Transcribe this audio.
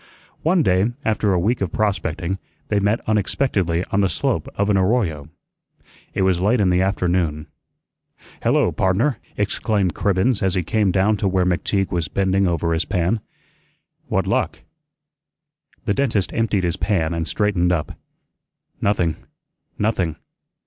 One day, after a week of prospecting, they met unexpectedly on the slope of an arroyo. It was late in the afternoon. "Hello, pardner," exclaimed Cribbens as he came down to where McTeague was bending over his pan. "What luck?" The dentist emptied his pan and straightened up. "Nothing, nothing.